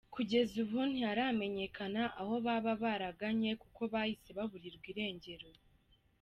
Kugeza ubu ntiharamenyekana aho abo baba baraganye kuko bahise baburirwa irengero.